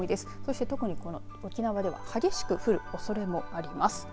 そして、特に沖縄では激しく降るおそれもあります。